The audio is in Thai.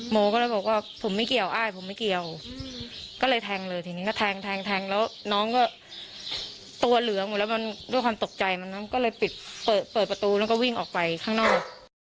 โมก็เลยบอกว่าผมไม่เกี่ยวอ้ายผมไม่เกี่ยวก็เลยแทงเลยทีนี้ก็แทงแทงแล้วน้องก็ตัวเหลือหมดแล้วมันด้วยความตกใจมันก็เลยปิดเปิดประตูแล้วก็วิ่งออกไปข้างนอก